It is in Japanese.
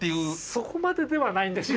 そこまでではないんです。